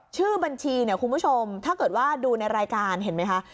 ชื่อบัญชีเนี่ยคุณผู้ชมถ้าเกิดว่าดูในรายการเห็นไหมคะ